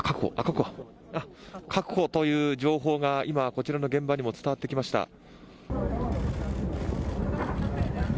確保という情報が今、こちらの現場にも伝わってきました。